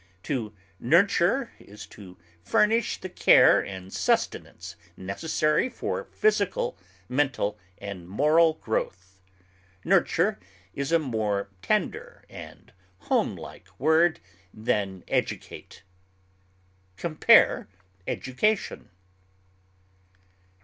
To nurture is to furnish the care and sustenance necessary for physical, mental, and moral growth; nurture is a more tender and homelike word than educate. Compare EDUCATION.